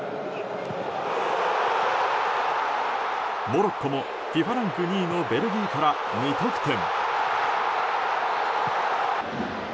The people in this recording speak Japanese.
モロッコもＦＩＦＡランク２位のベルギーから２得点。